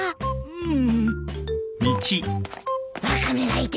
うん。